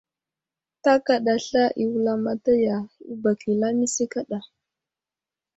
Ta kaɗa sla i wulamataya i bak i lamise kaɗa.